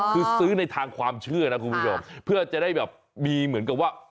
คือซื้อในทางความเชื่อนะคุณผู้ชมเพื่อจะได้แบบมีเหมือนกับว่า